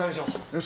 よし。